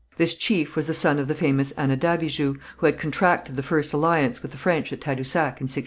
This chief was the son of the famous Anadabijou, who had contracted the first alliance with the French at Tadousac in 1603.